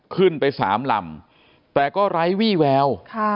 ขึ้นไป๓ลำแต่ก็ไร้วี่แวว